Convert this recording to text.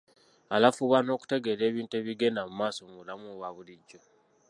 Alafuubana okutegeera ebintu ebigenda mu maaso mu bulamu obwa bulijjo.